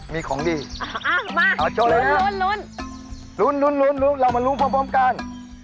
มีของดีโชว์เลยนะครับลุ้นเรามาลุ้มพร้อมกัน